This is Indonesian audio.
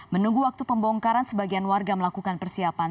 menunggu waktu pembongkaran sebagian warga melakukan persiapan